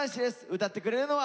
歌ってくれるのは。